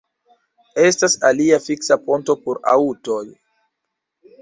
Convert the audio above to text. Estas alia fiksa ponto por aŭtoj.